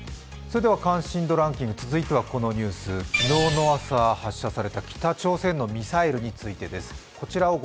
関心度ランキング、続いてはこのニュース、昨日の朝、発射された北朝鮮のミサイルについてです。